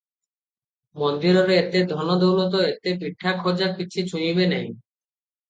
ମନ୍ଦିରରେ ଏତେ ଧନ ଦୌଲତ, ଏତେ ପିଠା ଖଜା କିଛି ଛୁଇଁବେ ନାହିଁ ।